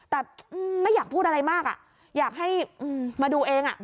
แต่ไม่อยากพูดอะไรมากอ่ะอยากให้มาดูเองอ่ะ